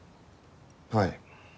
はい。